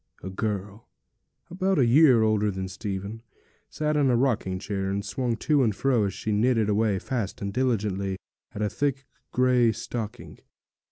A girl, about a year older than Stephen, sat in a rocking chair, and swung to and fro as she knitted away fast and diligently at a thick grey stocking.